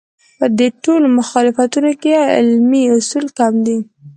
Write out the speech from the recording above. په دې ټولو مخالفتونو کې علمي اصول کم دي.